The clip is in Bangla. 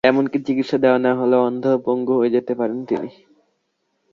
এমনকি চিকিৎসা দেওয়া না হলে অন্ধ ও পঙ্গুও হয়ে যেতে পারেন তিনি।